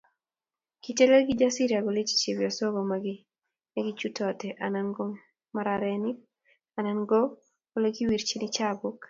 Kitelel Kijasiri akolechi chepyosok koma kiy nekichutotei anan ko mararenik anan ko olekiwirchin chapuk